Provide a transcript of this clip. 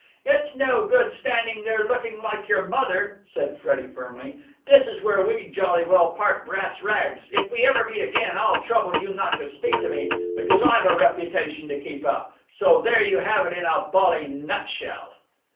It's no good standing there looking like your mother," said Freddie firmly. "This is where we jolly well part brass rags! If we ever meet again, I'll trouble you not to speak to me, because I've a reputation to keep up! So there you have it in a bally nutshell!"